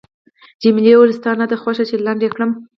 جميلې وويل:، ستا نه ده خوښه چې لنډ یې کړم؟